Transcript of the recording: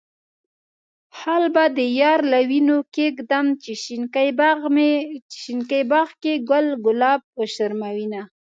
خال به د يار له وينو کيږدم، چې شينکي باغ کې ګل ګلاب وشرموينه.